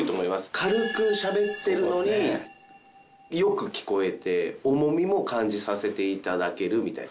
軽くしゃべってるのによく聞こえて重みも感じさせていただけるみたいな。